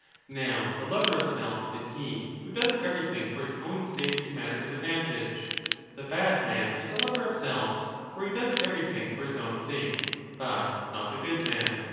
Now the lover of self is he who does everything for 30 his own sake in matters of advantage. The bad man is a lover of self (for he does everything for his own sake), but not the good man.